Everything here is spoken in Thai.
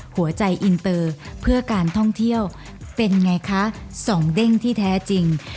หัวใจอินเตอร์เพื่อการท่องเที่ยวเป็นไงคะสองเด้งที่แท้จริง